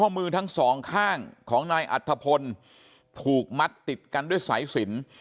มือทั้งสองข้างของนายอัธพลถูกมัดติดกันด้วยสายสิน